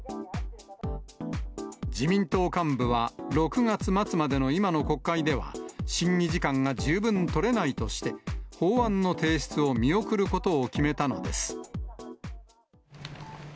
自民党幹部は、６月末までの今の国会では、審議時間が十分取れないとして、法案の提出を見送ることを決めたのです。